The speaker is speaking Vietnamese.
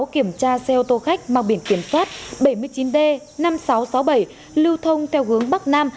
kiểm tra xe ô tô khách mang biển kiểm soát bảy mươi chín d năm nghìn sáu trăm sáu mươi bảy lưu thông theo hướng bắc nam